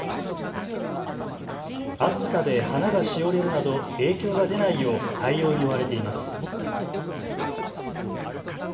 暑さで花がしおれるなど影響が出ないよう対応に追われています。